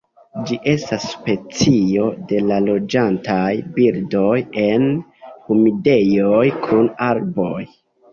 Ĝi estas specio de loĝantaj birdoj en humidejoj kun arboj.